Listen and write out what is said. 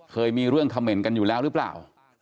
เคยมีเรื่องเขม่นกันอยู่แล้วหรือเปล่า